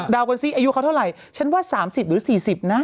กันสิอายุเขาเท่าไหร่ฉันว่า๓๐หรือ๔๐นะ